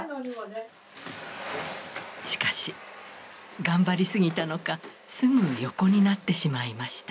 しかし頑張り過ぎたのかすぐ横になってしまいました。